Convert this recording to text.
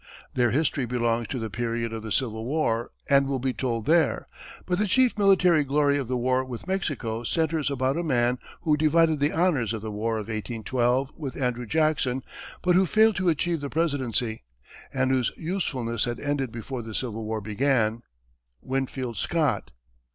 Their history belongs to the period of the Civil War and will be told there; but the chief military glory of the war with Mexico centres about a man who divided the honors of the War of 1812 with Andrew Jackson but who failed to achieve the presidency, and whose usefulness had ended before the Civil War began Winfield Scott.